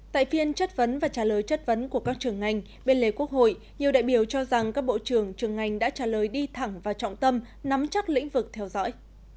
tại phiên chất vấn và trả lời chất vấn của các trường ngành bên lề quốc hội nhiều đại biểu cho rằng các bộ trưởng trường ngành đã trả lời đi thẳng và trọng tâm nắm chắc lĩnh vực theo dõi